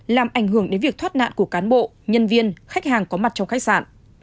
làm ảnh hưởng đến việc thoát nạn của cán bộ nhân viên khách hàng có mặt trong khách sạn